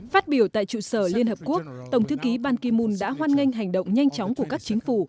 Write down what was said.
phát biểu tại trụ sở liên hợp quốc tổng thư ký ban kimon đã hoan nghênh hành động nhanh chóng của các chính phủ